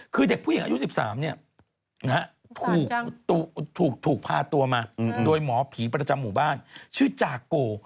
คือเด็กผู้หญิงอายุ๑๓ถูกพาตัวมาโดยหมอผีประจำหมู่บ้านชื่อจากโก